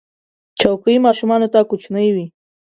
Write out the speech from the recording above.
چوکۍ ماشومانو ته کوچنۍ وي.